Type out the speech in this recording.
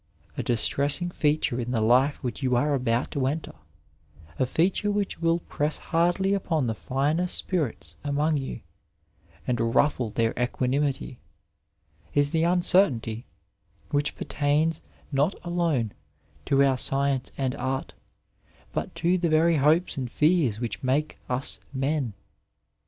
A distressing feature in the life which you are about to enter, a feature which will press hardly upon the finer spirits among you and ruffle their equanimity, is the un certainty which pertains not alone to our science and art, but to the very hopes and fears which make us men.